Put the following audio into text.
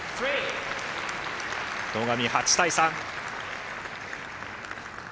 戸上、８対３。